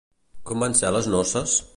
Com van ser les noces?